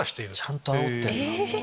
ちゃんとあおってるんだ。